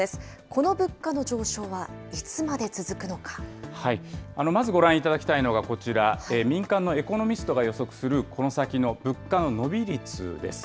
この物価の上昇はいつまで続くのまずご覧いただきたいのがこちら、民間のエコノミストが予測するこの先の物価の伸び率です。